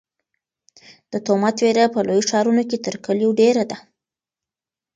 د تومت وېره په لویو ښارونو کې تر کلیو ډېره ده.